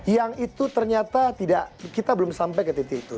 yang itu ternyata tidak kita belum sampai ke titik itu